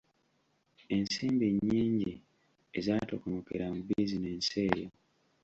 Ensimbi nnyingi ezaatokomokera mu bizinensi eyo.